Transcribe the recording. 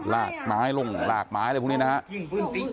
ลากไม้ลงลากไม้เลยพรุ่งนี้นะครับ